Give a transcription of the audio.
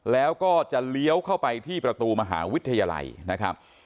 แล้วก็จะเลี้ยวเข้าไปที่ประตูมหาวิทยาลัยนะครับ